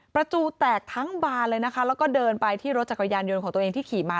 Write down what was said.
ประตูแตกทั้งบานเลยนะคะแล้วก็เดินไปที่รถจักรยานยนต์ของตัวเองที่ขี่มา